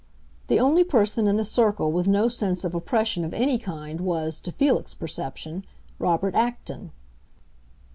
The only person in the circle with no sense of oppression of any kind was, to Felix's perception, Robert Acton.